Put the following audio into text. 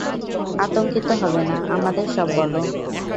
আতঙ্কিত হবে না, আমাদের সব বলো।